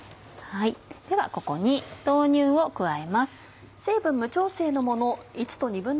ではここに豆乳を加えます。